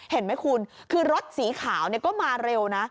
เห็นมั้ยคุณคือรถสีขาวก็มาเร็ว